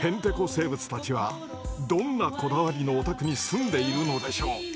生物たちはどんなこだわりのお宅に住んでいるのでしょう？